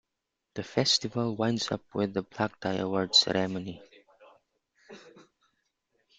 The festival winds up with the black tie awards ceremony.